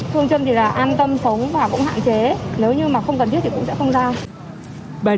phương châm thì là an tâm sống và cũng hạn chế nếu như mà không cần thiết thì cũng sẽ không giao